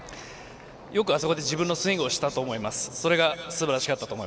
よくあそこで自分のスイングをしたと思います。